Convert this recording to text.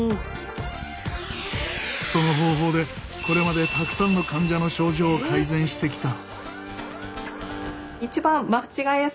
その方法でこれまでたくさんの患者の症状を改善してきた。